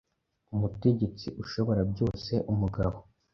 Umutegetsi Ushoborabyoseumugabo